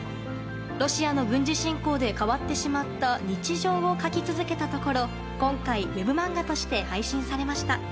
ロシアの軍事侵攻で変わってしまった日常を描き続けたところ今回、ウェブ漫画として配信されました。